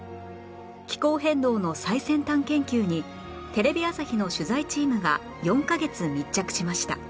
気候変動の最先端研究にテレビ朝日の取材チームが４カ月密着しました